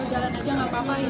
halo ibu ani selamat siang